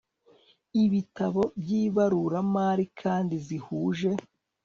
ibitabo by ibaruramari kandi zihuje